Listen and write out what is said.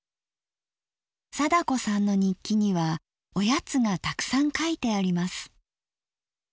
貞子さんの日記にはおやつがたくさん書いてあります。